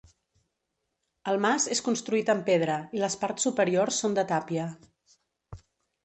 El mas és construït amb pedra i les parts superiors són de tàpia.